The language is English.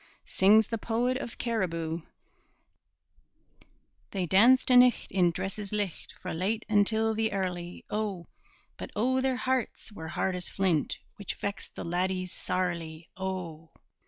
Sings the poet of Cariboo: They danced a' nicht in dresses licht Fra' late until the early, O! But O, their hearts were hard as flint, Which vexed the laddies sairly, O!